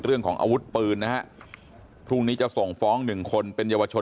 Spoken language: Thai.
เรื่องของอาวุธปืนนะฮะพรุ่งนี้จะส่งฟ้องหนึ่งคนเป็นเยาวชน